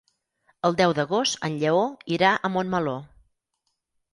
El deu d'agost en Lleó irà a Montmeló.